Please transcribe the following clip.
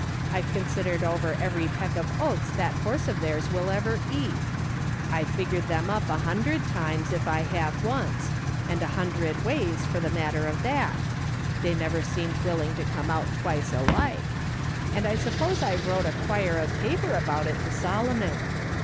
I've considered over every peck of oats that horse of theirs will ever eat ; I've tigered them up a hundred times if I have once, and a hundred ways, for the matter of that — they never seemed willing to come out twice alike — and I suppose I've wrote a quire of paper about it to Solomon.